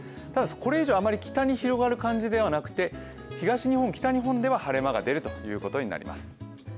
これ以上、あまり北に広がる感じではなくて東日本、北日本では晴れ間が出るということになります。